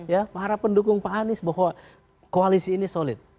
ya para pendukung pak anies bahwa koalisi ini solid